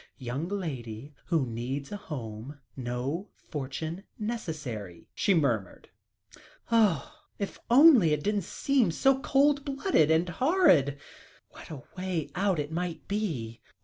"Young lady who needs a home no fortune necessary," she murmured. "Oh! if only it didn't seem so cold blooded and horrid, what a way out it might be!